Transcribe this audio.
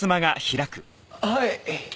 はい。